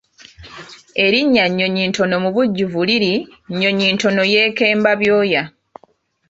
Erinnya Nnyonyintono mu bujjuvu liri Nnyonyintono yeekemba byoya.